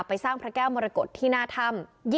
สร้างพระแก้วมรกฏที่หน้าถ้ำ